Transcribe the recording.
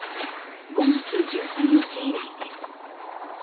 ５月１３日以来です。